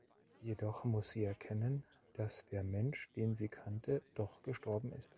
Jedoch muss sie erkennen, dass der Mensch, den sie kannte, doch gestorben ist.